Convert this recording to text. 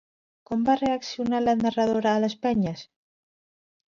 Com va reaccionar la narradora a les penyes?